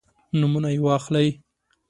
نومونه یې واخلئ.